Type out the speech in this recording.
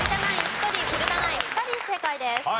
１人古田ナイン２人正解です。